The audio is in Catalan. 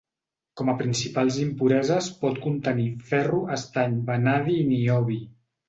Com a principals impureses pot contenir ferro, estany, vanadi i niobi.